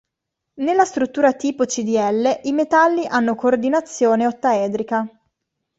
Nella struttura tipo CdI i metalli hanno coordinazione ottaedrica.